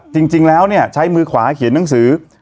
จริงแล้วเนี่ยใช้มือขวาเขียนหนังสือ